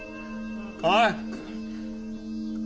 おい！